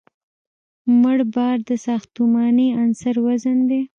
مړ بار د ساختماني عنصر وزن دی